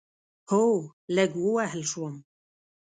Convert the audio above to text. هو، لږ ووهل شوم